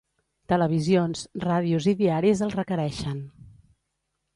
Televisions, ràdios i diaris el requereixen.